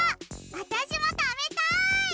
あたしもたべたい！